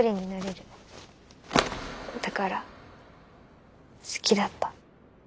だから好きだった。